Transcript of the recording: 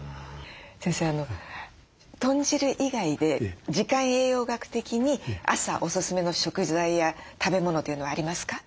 先生豚汁以外で時間栄養学的に朝オススメの食材や食べ物というのはありますか？